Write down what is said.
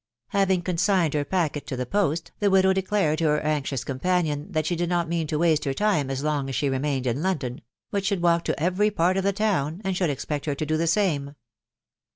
Having consigned her packet to the post, the widow declared to her anxious companion that she did not mean to waste her time as long as she remained in London ; but should walk to every part of the town, and should expect her to do the same.